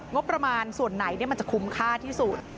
งบประมาณส่วนไหนมันจะคุ้มค่าที่สุด